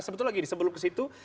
sebetulnya gini sebelum ke situ